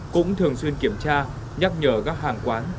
cũng thường xuyên kiểm tra nhắc nhở các hàng quán